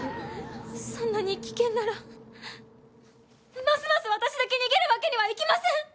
そんなに危険ならますます私だけ逃げるわけにはいきません！